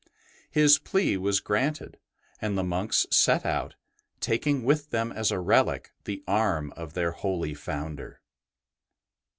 His plea was granted, and the monks set out, taking with them as a relic the arm of their holy Founder.